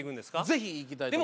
ぜひ行きたいと。